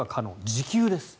時給です。